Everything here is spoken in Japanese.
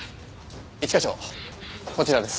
一課長こちらです。